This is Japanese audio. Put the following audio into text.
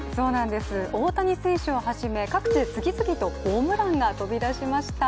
大谷選手を始め、各種、ホームランが飛び出しました。